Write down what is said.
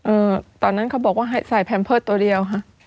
เอ่อตอนนั้นเขาบอกว่าให้ใส่น้ำใส่แพมพัสตัวเดียวค่ะ